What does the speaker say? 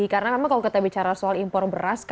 karena memang kalau kita bicara soal impor beras